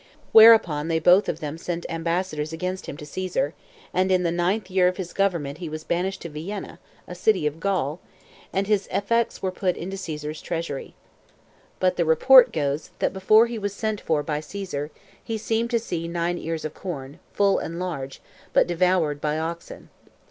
Whereupon they both of them sent ambassadors against him to Caesar; and in the ninth year of his government he was banished to Vienna, a city of Gaul, and his effects were put into Caesar's treasury. But the report goes, that before he was sent for by Caesar, he seemed to see nine ears of corn, full and large, but devoured by oxen.